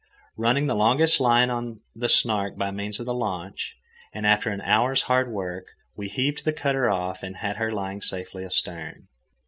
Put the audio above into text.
Running the longest line on the Snark by means of the launch, and after an hour's hard work, we heaved the cutter off and had her lying safely astern.